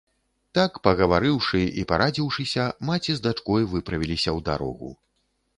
Так пагаварыўшы і парадзіўшыся, маці з дачкой выправіліся ў дарогу.